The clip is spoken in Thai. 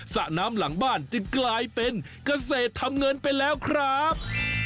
สระน้ำหลังบ้านจึงกลายเป็นเกษตรทำเงินไปแล้วครับ